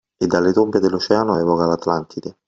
E dalle tombe dell’Oceano evoca l’Atlantide